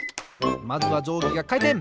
まずはじょうぎがかいてん！